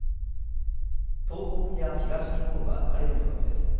東北や東日本は晴れる見込みです。